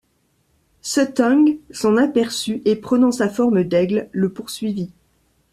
Suttung s'en aperçut et, prenant sa forme d'aigle, le poursuivit.